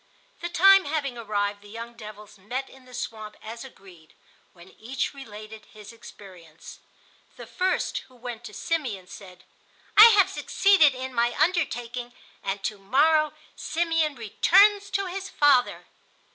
The time having arrived, the young devils met in the swamp as agreed, when each related his experience. The first, who went to Simeon, said: "I have succeeded in my undertaking, and to morrow Simeon returns to his father."